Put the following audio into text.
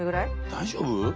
大丈夫？